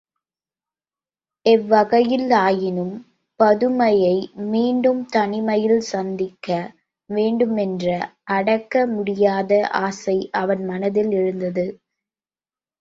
எவ்வகையில் ஆயினும் பதுமையை மீண்டும் தனிமையில் சந்திக்க வேண்டுமென்ற அடக்க முடியாத ஆசை அவன் மனத்தில் எழுந்தது.